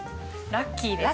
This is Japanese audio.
ラッキーです。